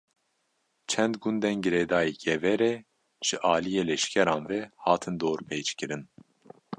Çend gundên girêdayî Geverê, ji aliyê leşkeran ve hatin dorpêçkirin